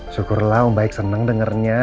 syukurlah om baik senang dengarnya